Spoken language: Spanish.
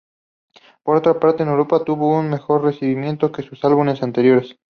Por otra parte, en Europa tuvo un mejor recibimiento que sus álbumes anteriores.